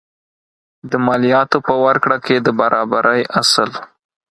د مالیاتو په ورکړه کې د برابرۍ اصل.